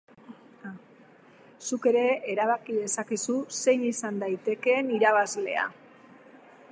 Zuk ere erabaki dezakezu zein izan daitekeen irabazlea!